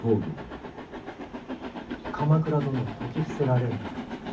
鎌倉殿を説き伏せられるのか。